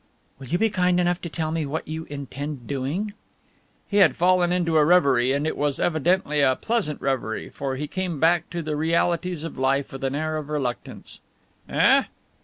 "Will you be kind enough to tell me what you intend doing?" He had fallen into a reverie and it was evidently a pleasant reverie, for he came back to the realities of life with an air of reluctance. "Eh?